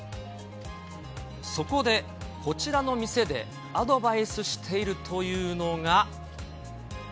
そこで、こちらの店でアドバイスしているというのが。